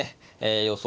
予想